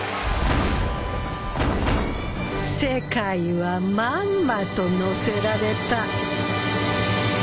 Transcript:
世界はまんまと乗せられた